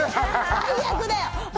最悪だよ！